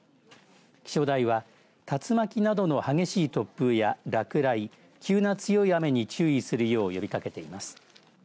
気象台は竜巻などの激しい突風や落雷急な強い雨に注意するよう呼びかけています。